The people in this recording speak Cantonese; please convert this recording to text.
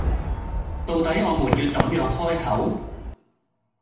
到底我們要怎樣開口？